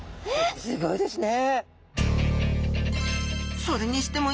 すギョいですね。